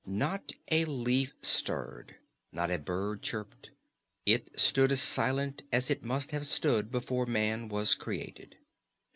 Not a leaf stirred, nor a bird chirped. It stood as silent as it must have stood before Man was created.